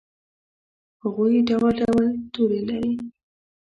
هغوي ډول ډول تورې لري